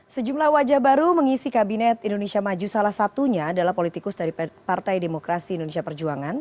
sejumlah wajah baru mengisi kabinet indonesia maju salah satunya adalah politikus dari partai demokrasi indonesia perjuangan